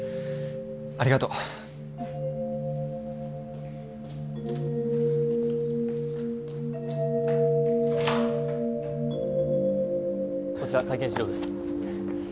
ありがとううんこちら会見資料です